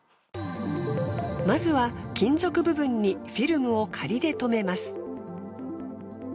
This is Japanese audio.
まずは金属部分にフィルムを仮で止めます。